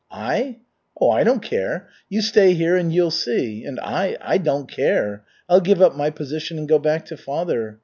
"I? Oh, I don't care. You stay here and you'll see. And I I don't care. I'll give up my position, and go back to father.